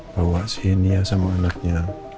bawa si nia sama anaknya